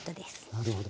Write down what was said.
なるほど。